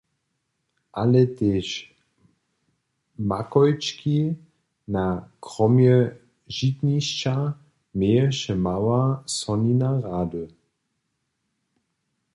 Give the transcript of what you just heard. Ale tež makojčki na kromje žitnišća měješe mała sonina rady.